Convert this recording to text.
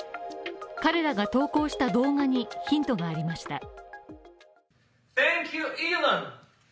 彼らが投稿した動画にヒントがありました。